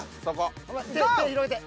手広げて。